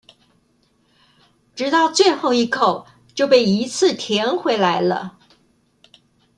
直到最後一口就被一次甜回來了